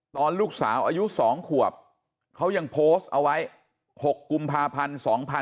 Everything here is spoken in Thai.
ตอนลูกสาวอายุ๒ขวบเขายังโพสต์เอาไว้๖กุมภาพันธ์๒๕๖๒